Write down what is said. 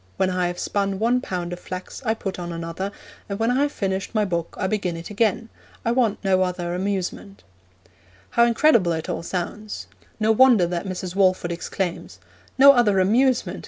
When I have spun one pound of flax I put on another, and when I have finished my book I begin it again. I want no other amusement.' How incredible it all sounds! No wonder that Mrs. Walford exclaims, 'No other amusement!